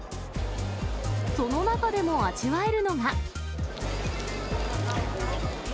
その中でも味わえるのが。